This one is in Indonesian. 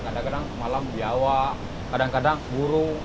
kadang malam biawa kadang kadang burung